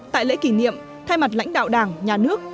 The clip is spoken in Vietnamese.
tại lễ kỷ niệm thay mặt lãnh đạo đảng nhà nước